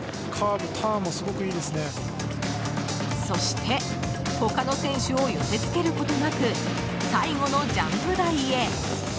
そして他の選手を寄せ付けることなく最後のジャンプ台へ。